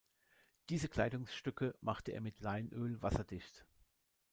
Diese Kleidungsstücke machte er mit Leinöl wasserdicht.